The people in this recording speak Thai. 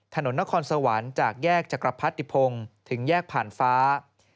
ถนนนครสวรรค์จากแยกจักรพรรติพงศ์ถึงแยกผ่านฟ้า